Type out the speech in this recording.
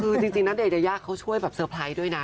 คือจริงณเดชนยายาเขาช่วยแบบเตอร์ไพรส์ด้วยนะ